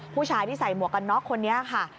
ผู้ชายที่ใส่หมวกกันน็อกคนนี้ค่ะ